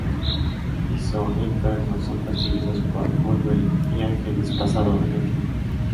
Iso e Inferno son perseguidos por Wolverine y Ángel desplazado en el tiempo.